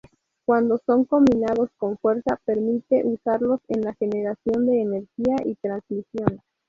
Cuando son combinados con fuerza, permite usarlos en la generación de energía y transmisión.